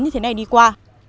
như thế này đi qua